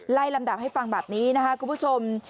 ลำดับให้ฟังแบบนี้นะคะคุณผู้ชม